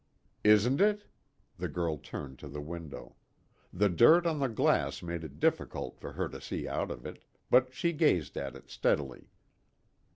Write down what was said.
"Isn't it?" The girl turned to the window. The dirt on the glass made it difficult for her to see out of it, but she gazed at it steadily.